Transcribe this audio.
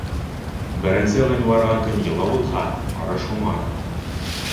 Беренсе ғинуарҙа көн йылы булһа, арыш уңыр